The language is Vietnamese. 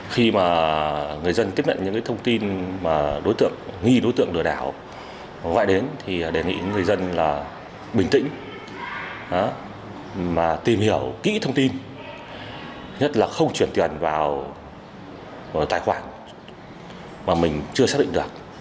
khi mà người dân tiếp nhận những thông tin mà đối tượng nghi đối tượng lừa đảo gọi đến thì đề nghị người dân là bình tĩnh mà tìm hiểu kỹ thông tin nhất là không chuyển tiền vào tài khoản mà mình chưa xác định được